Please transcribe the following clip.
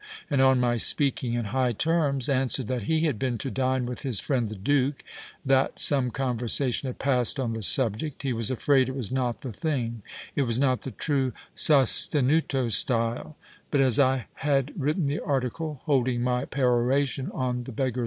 ' and on my speaking in high terms, answered that ' he had been to dine with his friend the Duke, that some conversation had passed on the subject, he was afraid it was not the thing, it was not the true sostetmio style ; but as I had written the article ' (holding my peroration on The Beggar